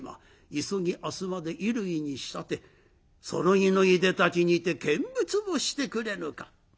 急ぎ明日まで衣類に仕立てそろいのいでたちにて見物をしてくれぬか」。